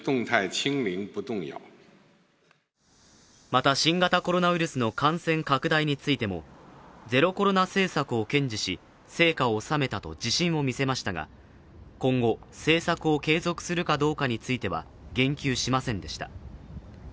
また、新型コロナウイルスの感染拡大についてもゼロコロナ政策を堅持し成果を収めたと自信を見せましたが、今後、政策を継続するかどうかについては言及しませんでした。